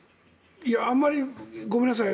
あまり、ごめんなさい